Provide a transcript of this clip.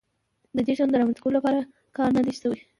د دې شیانو د رامنځته کولو لپاره کار نه دی شوی.